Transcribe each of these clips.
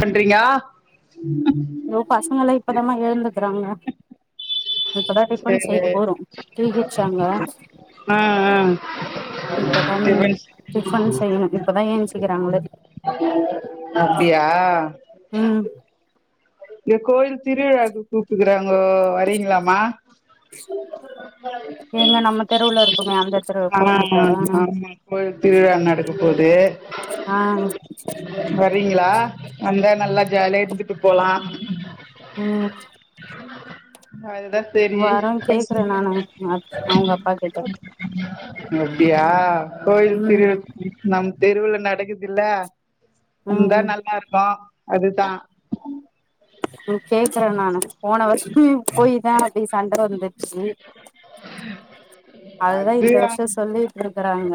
பண்றீயா அய்யோ பசங்க எல்லா இப்பதமா எழுந்துக்கிறாங்க இப்பதா டிபன் சரி செய்ய போறும் டீ குச்சாங்க ஆ ஆ இப்பதா டிபன் டிபன் செய்யணு இப்பதா ஏச்சுக்கிறாங்களே அப்படியா இங்க கோவில் திருவிழாகு கூப்டுகிறோ கோ வரீங்களாமா எங்க நம்ம தெருவுல இருக்குமே அந்த தெரு ஆ கோயிலுக்கா ஆமா ஆமா கோவில் திருவிழா நடக்க போது ஆ வருவீங்களா வந்த நல்லா ஜாலியா இருந்துட்டு போலாம் உம் [unintelligible] வர கேக்குறே நானு அவுங்க அப்பா கிட்ட உம் அப்டியா ம் கோயிலுக் [unintelligible] வந் தெருவுல நடக்குது இல்ல வந்த ம் நல்லா இருக்க அது தா உம் கேக்குறே நானு போன வர்ஷ்மே போய் [unintelligible] சண்ட வந்துச்சி அதுதா அது இந்த வருஷோ சொல்லிட்டு இருக்கறாங்க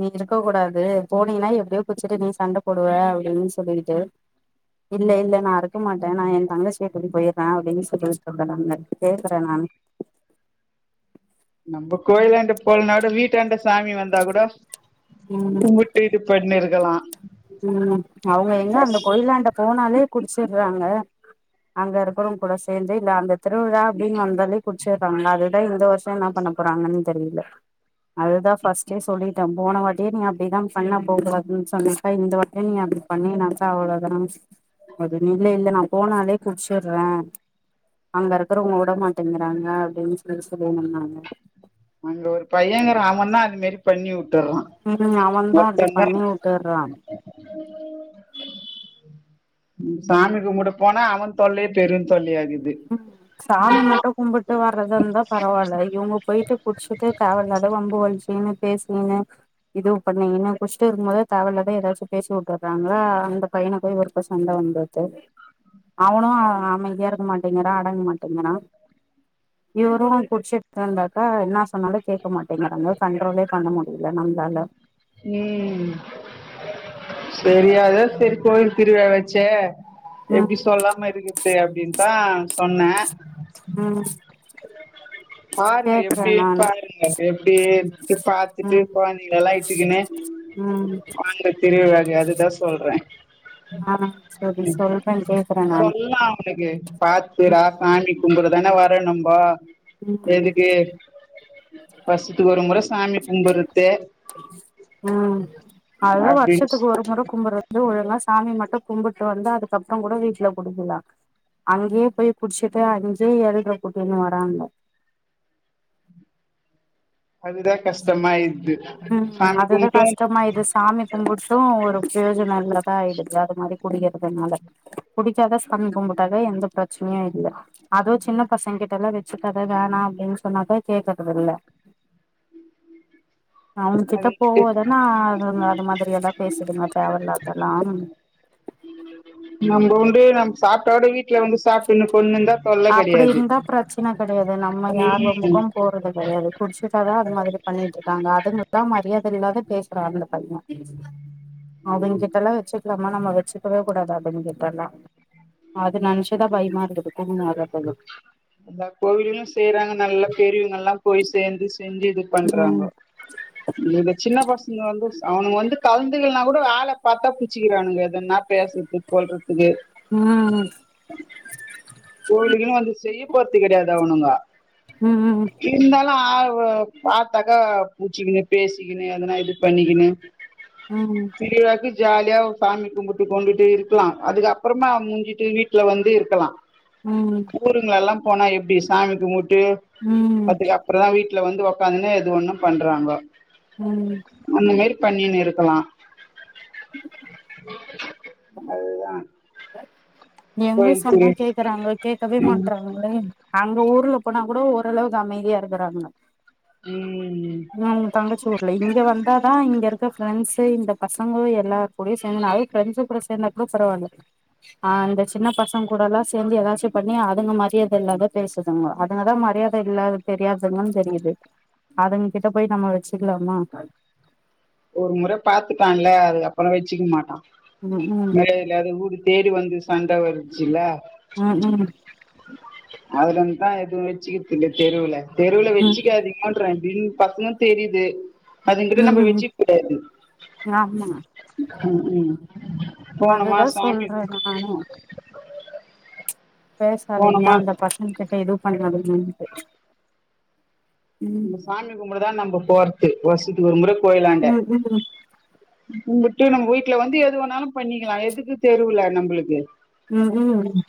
நீ க்க கூடாது போனீன்னா எப்படியோ குடிச்சிட்டு நீ சண்டை போடுவ அப்டின்னு சொல்லிட்டு இல்ல இல்ல நா இருக்க மாட்டே நா என் தங்கச்சியை வீட்டுக்கு போயிட்ற அப்டினு சொல்லி சொல்றாங்க நா கேக்குறே நானு நம்ப கோயிலாண்ட போலனா கூட வீட்டாண்ட சாமி வந்தா கூட ம் கும்புட்டுட்டு போயினே இரு க்கலா ம் அவங்க எங்க அந்த கோயிலாண்ட போனாலே குடிச்சிட்றாங்க அங்க இருக்குறவங்க கூட சேந்து இல்ல அந்த திருவிழா அப்டின்னு வந்தாலே குடிச்சிட்றாங்களா அதுதா இந்த வருஷோ என்ன பண்ண போறாங்கன்னு தெரில அதுதா ஃபர்ஸ்ட்டே சொல்லிட்டேன் போன வாட்டியு நீ அப்டிதான் பண்ண போகக்கூடாதுன் சொன்ன அ இந்த வட்ட நீ அப்டி பண்ணினாக்கா அவ்ளோதான அப்டின்லா இல்ல நா போனாலே குட்ச்சட்றே அங்க இருக்கறவங்க விட மாட்டேங்கிறாங்க அப்டின்னு சொல்லி சொல்லணும்ன்னாங்க அங்க ஒரு பையங்கற அவன்னா அது மாரி பண்ணி வி உம் உம் அவன் தா அப்பிடி பண்ணி விட்டுறா சாமி கும்பட போனா அவ தொல்லையே பெரு தொல்லையாஇருக்கு உம் சாமி மட்டு கும்பிட்டு வர்றத இருந்த பரவால இவங்க போயிட்டு குடிச்சுடு தேவில்லாத வம்பு வள [unintelligible] பேசுனீங்க இது பண்ணீங்கனு குடிச்சிட்டு இருக்கும்போது தேவல்லத எதாச்சு பேசி விட்டுறாங்களா அந்த பையன போயி ஒருக்க சண்டை வந்தது அவனு அமைதியா இருக்க மாட்டே அடங்க மாட்டேங்கறா இவரு குடிச்சிட்டு இருந்தாக்கா என்ன சொன்னாலும் கேட்க மாட்டேங்கறாக கண்ட்ரோலே பண்ண முடியல நம்மளால உம் தெரியாது செரி கோயில் திருவிலா வெச்சே ம் எப்பிடி சொல்லாம இருக்குது அப்பிடின் தா சொன்ன உம் பாருங்க எப்படிருப்பாருனு எப்பிடின்ட்டு பாத்துட்டு ம் கொழந்தைங்களேள்ளா இட்டுக்குன்னே ம் வாங்கா திருவிழாக்கு அதுத சொல்றே ஆ சரி சொல்றே கேக்குறே நானு சொல்லாம் அவனுக்கு பாத்து டா ம் சாமி கும்புடு தென வரோணம்போ உம் எதுக்கு வர்ஷத்துக்கு ஒரு முறை சாமி கும்பிடுற உம் அதுவு அப்டின் வருஷத்துக்கு ஒரு முறை கும்புற வந்து ஒழுங்கா சாமி மட் டு கும்பிட்டு வந்து அதுக்கப்புறோ கூட வீட்டுல குடிக்கலா அங்கேயே போய் குடிச்சுட்டு அங்கியே ஏழ்ட்ர கூட்டின்னு வராங்க அதுதா கஷ்டமாயிடுது உம் சாமி அதுதா கும்ட்டு கஷ்டமாயிது சாமி கும்புட்டு ஒரு பிரயோஜன இல்லதா ஆயிடுது து மாரி குடிக்கறதுனால குடிக்காத சாமி கும்பிட்டாக்க எந்த பிரச்சனையு இல்ல அது சின்ன பசங்க கிட்ட எல்லா வச்சுக்கத வேணாம் அப்படின்னு சொன்னாக கேக்குறத இல்ல அவங்ககிட்ட அதுங்கிட்டு போவோதானா அதுங்க அது மாதிரியே தா பேசுதுங்க தேவையில்லாதெல்லா நம்ப உண்டு நம்ம சாப்பாடு வீட் இவுங்க சாப்ட்டு இன்னு கொன்னுண்டா அப்டி இருந்தா ப்ரச்ன கெடையாது நம்ம யார் வம்புக்கூ ம் போறது கெடையாது புச் ஃபிட்டாதா அது மாத்ரி பண்ணிட்ருக்காங்க அது [inaudible] மரியாத இல்லாத பேசுறா அந்த பைய அவங்கிட்டலா வச்சுக்கலாமா நம்ம வச்சுக்கவே கூடாது அவங்கிட்டலா அது நனச்சுதா பயமாருக்குது மோற பெல்லோ அந்த கோவிலூ செய்யறாங்க நல்ல பெரியவங்கல்லா போய் சேந்து செஞ்சு இது ம் பண்றாங்கோ இந்த சின்ன பசங்க வந்து அவனுங்க வந்து கலந்துகிலனா கூட ஆள பாத்தா புச்சிக்கிறானுங்க எதன்னா பேசுறது கொள்றதுக் இது ம் கோவிலுக்கூ வந்து செய்ய போத் கெடையாது அவனுங்கோ ம் ம் இருந்தாலு பாவ பாத்தாக்கா புச்சிக்கினு பேசிக்கினு எதனா இது பண்ணிக்கினு சிரிய வாக்கி ஜாலியா சாமி கும்பிட்டு கொண்டுட்டு இருக்கலா அதுக்கப்றமா முடிஞ்சிட்டு வீட்ல வந்து இருக்கலா ம் ஊருங்ள எல்லாம் போனா எப்டி சாமி கும்முட் டு ம் அப்டி அப்றோ வீ ட்ல வந்து ஒக்காந்துனே எது ஒன்னு பண்றாங்கோ ம் அந்த மாரி பண்ணின் இருக் க்கலா அதுதா எங்க சொன்னா கேக்குறாங்க கேக்கவே ம் மாட்டறாங்களே அங்க ஊர்ல போனா கூட ஓரளவுக்கு அமைதியா இருக்கறாங்க ம் ம் உ தங்கச்சி ஊர்ல இங்க வந்தாதா இங்கருக் க ஃப்ரெண்ட்ஸ் இந்த பசங்களூ எல்லா கூட சேந்து நைட் ஃப்ரெண்ட்ஸுங்கூட சேந்தா கூட பரவால்ல ஆ இந்த சின்ன பசங்க கூடெல்லா சேந்து ஏதாச்சு பண்ணி அதுங்க மரியாத இல்லாத பேசுதுங்க அதுங்கதா மரியாத இல்லாத தெரியாதவ்ங்க தெரியுது அதுங்கிட்ட போய் நம்ம வச்சுக்லாமா ஒரு முற பாத்துட்டான்ல அதுக்கப்றோ வச்சுக்க மாட்டா ம் ம் மரியாத இல்லாத ஊருக் தேடி வந்து சண்ட வருச்சுல ம் ஹும் அதிலேருந்துதா எதுவூ வெச்சுக்கிற்தில்ல தெருவுல தெருவுல ம் வெச்சுகாதிங்கன்ட்ற பின் பசுங்க தெரிது அதுங்கிட்ட ம் நம்ம ம் வச்சு ஆமா ம் ம் போனமா அதுதா சாமி சொல்ற நானும் பேசாதிங்கா போனமா அந்த பசங்க கிட்ட எது பண்றதுனுட்டு நம்ம சாமி கும்பிடதா நம்ப போத்த வசி ஒருமுறை கோயிலாண்ட ம் ம் கும்பிட்டு நம்ம வீட்டு்ல வந்து எது வேணாலு பண்ணிக்கலா எதுக்கு தெருவுல நம்மளுக்கு உம் உம்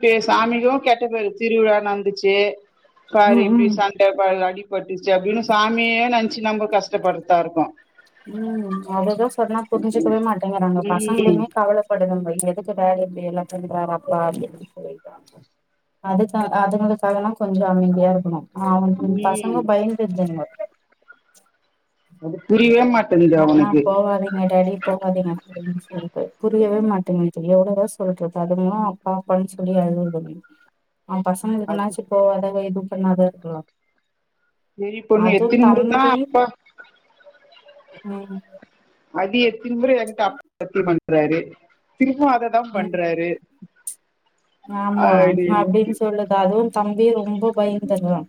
ப்ப சாமிக்கு கெட்ட பேரு திருவிழா நடந்துச்சு பாரு ம் இப்படி ம் சண்ட அடிபட் டுச்சு அப்படின்னு சாமியே நெனச்சு நம்ப கஷ்டப்படுத்தா இருக்கு உம் அததா சொன்னா புரிஞ்சிக்கவே மாட்டேங்கறாங்க ம் பசங்களுமே கவலைப்படுதுங்க எ துக்கு வேல இப்படி எல்லாம் பண்றாரு அப்பா அப்படின்னு சொல்ட்டு அதுக்க அதுங்களுக்காகல்லா கொஞ்ச அமைதியா இருக்கணு ஆ உ பசங்க ம் பயந்தெதுங்க அது புரியவே மாட்ட வேனா போவாதீங்க டாடி போவாதீங்க அப்படின்னு சொல்லுது புரிய யவே மாட்டேங்குது எவ்வளவுதா சொல்றது அதுங்களு அப்பா அப்பான்னு சொல்லி அழுவுதுங்க ஆ பசங்க அது இருக்குனாச்சு போவாத அத எதுவு சொன்னாதா இருக்கறோ சரி பொண்ணு எத்தினி முறதா அப்பா உம் அடி எ திமிரு எங்க அப்பந்திமி [inaudible] றாரு உம் ஆமா அப்டின்ட்டு அப்படின்னு சொல்லுது அதுவு தம்பி ரொம்ப பயந்தர்றா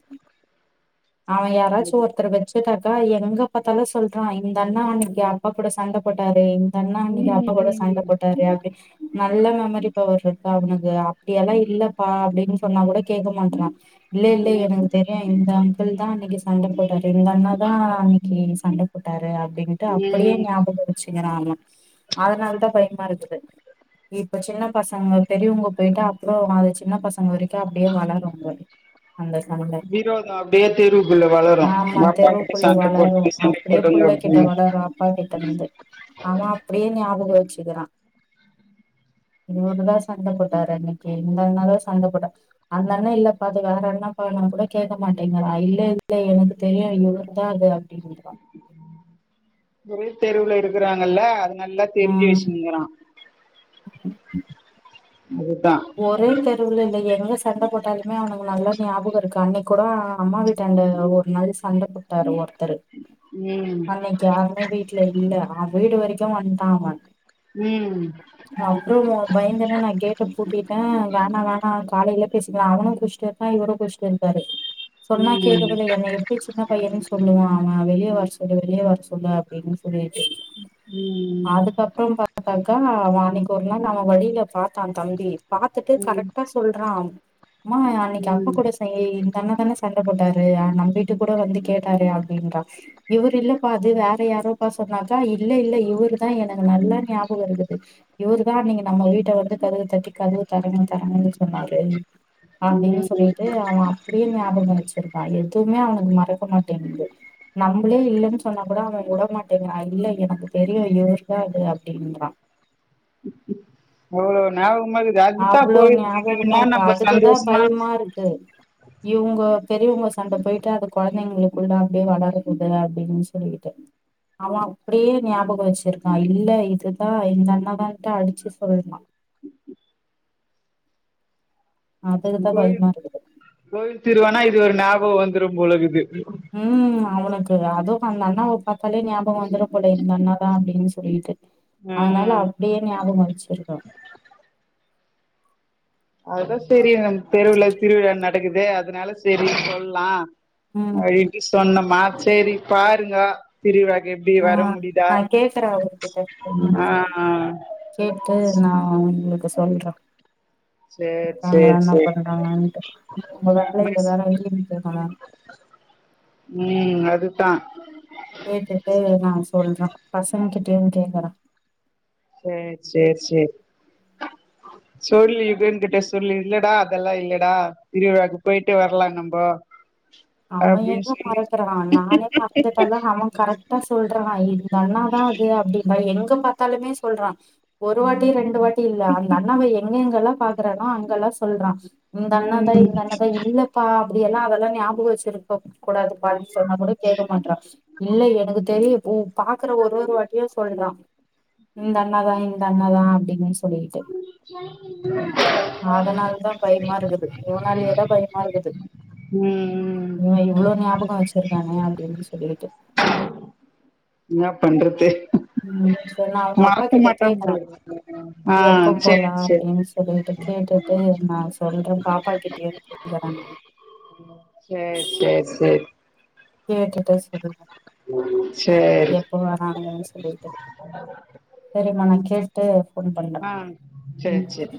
அவ யாராச்சும் ஒருத்தர வச்சு சதாக்கா எங்க பாத்தாலு சொல்றா இந்த அண்ணா அன்னைக்கு அப்பா கூட சண்டை போட்டாரு அண்ணா அன்னைக்கு அப்பா கூட சண்ட ம் போட்டாரு அப்படி நல்ல மெமரி பவர் இருக்கு அவனுக்கு அப்படியெல்லா இல்லப்பா அப்படின்னு சொன்னா கூட கேட்க மாட்டறான் இல்லலை இல்லலை ம் எனக்கு தெரியு இந்த அங் தா அன்னிக்கு சண்ட போட்டாறு இந்தண்ணாதா அன்னிக்கி சண்டபோட்டார் அப்டின்னுட்டு அப்டியே ம் ஞாபகம் வெச்சுக்கிறான் ஆமா அதனால தா பயமா இருக்குது இப்ப சின்ன பசங்க பெரியவங்க போயிட்டா அப்புறம் அது சின்ன பசங்க வரைக்கு அப்டியே வளரு அந்த சண்ட விரோதோ அப்டியே தெருவுக்குள்ள வளரு ஆமா உங்க அப்பா கிட்ட தெருவுக்குள்ள சண்ட வளரு போட்டவங்க சண்ட அப்டியே புள்ள போட்டவங்க கிட்ட அப்டின்னு வளரு அப்பா கிட்ட இருந்து அவன் அப்டியே ஞாபகம் யோசிக்கிறா இவர்ரு தா சண்ட போட்டாரு அன்னைக்கு இந்தண்ணாதா சண்ட போட்டா அந்த அண்ணா இல்லப்பா அது வேற அண்ணாபாணு சொன்னா கூட கேட்க மாட்டேங்கிறா இல்ல இல்ல எனக்கு தெரியு இவரு தா அது அப்டின்றா ஒரே தெருவுல இருக்குறாங்கல்ல நல்லா தெரிஞ்சு ஆஹ் வெச்சுனுருக்குறா ஒரே தெருவுல இல் எங்க சண்ட போட்டாலுமே அவனுக்கு நல்லா ஞாபகம் இருக்கு அன்னிக்கு கூட அம்மா வீட்டு அண்ட ஒரு நாள் சண்ட போட்டாரு ஒரு ஊரு ம் அன்னைக்கு யாருமே வீட்ல இல்ல வீடு வரைக்கு வந்துட்டா அவ ம் அவற பயந்துன நா கேட்டு கிட்ட வோணா வேணா காலையில பேசிக்கலா அவனு குடிச்சுனுருகா இவரும் குடிச்சுனுருக்காரு சொன்னா ம் கேட்கவேல்ல என்ன எப்டி சின்ன பையன்னு சொல்லுவா அவ வெளியே வர சொல்லு வெளியே வர சொல்லு அப்டின்னு சொல்லிட்டு உம் [unintelligible] வழியில ஒரு நாள் பாத்தாங் தண்டி பாத்துட்டு கரெக்டா சொல்றா அம்மா அன்னைக்கு அப்பா ம் கூட செய் இந்த அண்ணா தான சண்டபோட்டாரு நம்ம வீட்டு கூட வந்து கேட்டாரு அப்டின்றா இவரு இல்ல பா அது வேற யாரோப்ப சொன்னாக்கா இல்ல இல்ல இவரு தா என் நல்லா ஞாபகம் இருக்குது இவருதா நீங்க நம்ம வீட்ட வந்து கதவு தட்டி கதவு தரங்க தரங்கன்னு சொன்னாரு அப்டின்னு ம் ம் சொல்லிட்டு அவ அப்டியே ஞாபகம் வெச்சு இருப்பா எதுமே அவனுக்கு மறக்க மாட்டேங்குது நம்பலே இல்லேன்னு சொன்னா கூட அவ விட மாட்டேங்கிறா இல்ல எனக்கு தெரியு இவர் தா இது அப்டின்றா எவ்ளோ ஞாப அவ்ளோ ஞாபகமா இருக்கு அதுக்குதா சந்தோஷமா பயமா இருக்கு இவங்கோ பெரியவங்க சண்ட போயிட்டு அது கொழந்தைங்களுக்குள்ள அப்டியே வளருதில்லயா அப்டின்னு சொல்லிட்டு அவ அப்டியே ஞாபக வெச்சிருக்கா இல்ல இதுதா இந்த அண்ணாதான்ட்டு அடிச்சு சொல்லுவா அதுக்கு தான் கோயில் பயமா இருக்குது. கோயில் திருவிழான்னா இப் இப்டி ஒரு ஞாபகொ வந்துரும் போலகுது உம் அவனுக்கு அதுவு அந்த அண்ணாவ பாத்தாலே ஞாப் வந்துரு போல இந்த அண்ணா தா அப்டின்ஸ் படீட்டு ஆ அதனால அப்டியே ஞாபகோ வச்சிருக்கு அதுதா செரி அந் தெருவுல திருவிழா நடக்குது அதனால செரி சொல்லா ம் [unintelligible] சொன்னம் ஆ சேரி பாருங்கோ பிரிவ ஆஹ் நா கேக்குறே அவரு கிட்ட என்னான் ஆ சொல்லிட்டு கேட்டு நா உங்களுக்கு சொ பண்ற சேர் தாங்களா சேர் என்ன சேர் பண்ராங்கன்ட்டு உங்க வேலைல வேற இங்ரிமென்ட் இருக்கா மேம் டா கேட்டுட்டு நா சொல்றே பசங்கிட் டியு கேக்கறே சே சேர் சேரி சொல்லு யுகன் கிட்ட சொல்லு இல்லடா அதெல்லா இல்லடா திருவிழாக்கு பொய்ட்டு வரலா நம்பொ அவ எங்க மறக்குறா நானே மறந்துட்டெனா அவ கரெக்டா சொல்றா இந்த அண்ணாதா அது அப்டிபை எங் க பாத்தாலுமே சொல்றா ஒரு வாட்டி ரெண்டு வாட்டி இல்ல அந்த அண்ணாவ எங்கெங்கெல்லா பாக் குறானோ அங்கெல்லா சொல்றா இந்த அண்ணாதா இந்த ம் அண்ணாதா இல்லப்பா அப்டியெல்லா அதல்லா ஞாபகொ வச் சிருப்பப் கூடாது பான்னு சொன்னா கூட கேக்க மாட்றா இல்ல எனக்கு தெரியு உ பாக்குற ஒரு ஒரு வாட்டியு சொல்றா இந்த அண்ணாதா இந்த அண்ணா தா அப்டின்னு சொல்லீட்டு அதனால தா பய்மா இருக்குது இவனாலயே தா பய்மாருக்குது ம் இவ்ளோ ஞாபகோ வச்சிர் தானே அப்டின்னு சொல்லிட்டு என்னா பண்றது உம் சரி நா அவுக அப்பா மறக்க கிட்ட மாட்டான் கேக்குறே போல ஆ எப்ப சேரி போலா சேரி அப்டின்னு சொல்லிட்டு கேட்டுட்டு நா சொல்ற பாப்பா கிட்டயு கேட்டுக்கறே நா சேரி சேர் சேர் கேட்டுட்டு சொலு சேரி எப்பொ வராங்கன் சொல்லிட்டு சரி மா நாக் கேட்டு ஆஹ் சரி சரி